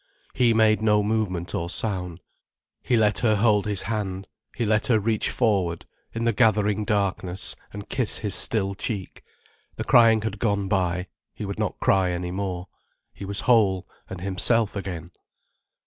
He made no movement or sound. He let her hold his hand, he let her reach forward, in the gathering darkness, and kiss his still cheek. The crying had gone by—he would not cry any more. He was whole and himself again.